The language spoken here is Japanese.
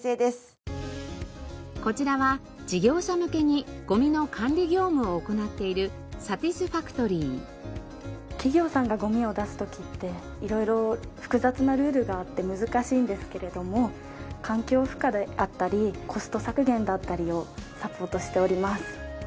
こちらは事業者向けにごみの管理業務を行っている企業さんがごみを出す時って色々複雑なルールがあって難しいんですけれども環境負荷であったりコスト削減だったりをサポートしております。